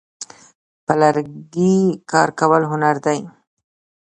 په لرګي کار کول هنر دی.